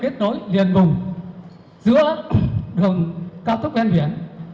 cơ sở hạ tầng chiến lược liên vùng giữa đường cao thúc đen biển